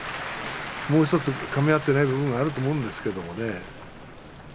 もうひとつかみ合っていない部分があると思うんですけれどね。